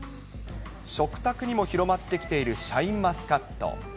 食卓にも広まってきているシャインマスカット。